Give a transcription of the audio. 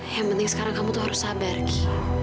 yang penting sekarang kamu tuh harus sabar gitu